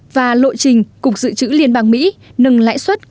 và lộ trình cục dự trữ liên bang mỹ nâng lãi suất